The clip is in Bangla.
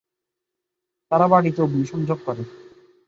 তারা বাড়িতে অগ্নি সংযোগ করে।